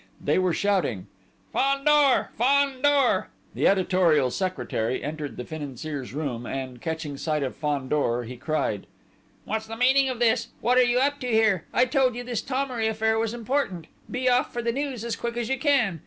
They were shouting: "Fandor! Fandor!" The editorial secretary entered the Financier's room, and, catching sight of Fandor, he cried: "What's the meaning of this? What are you up to here? I told you this Thomery affair was important.... Be off for the news as quick as you can....